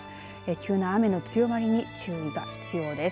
急な雨の強まりに注意が必要です。